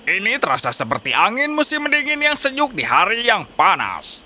ini terasa seperti angin musim dingin yang senyuk di hari yang panas